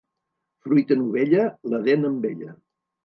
Fruita novella, la dent amb ella.